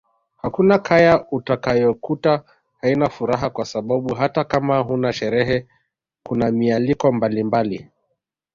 Hakuna kaya utakayokuta haina furaha kwa sababu hata kama huna sherehe kuna mialiko mbalimbali